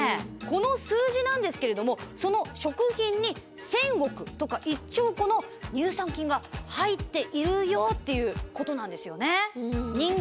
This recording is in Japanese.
この数字なんですけれどもその食品に１０００億とか１兆個の乳酸菌が入っているよということなんですよね。